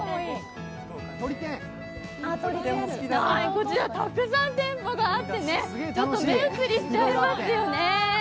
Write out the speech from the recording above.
こちら、たくさん店舗があって目移りしちゃいますよね。